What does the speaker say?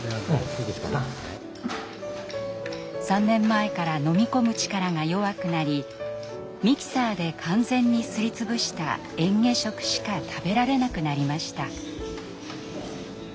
３年前から飲み込む力が弱くなりミキサーで完全にすり潰したえん下食しか食べられなくなりました。